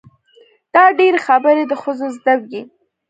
دا ډېرې خبرې د ښځو زده وي.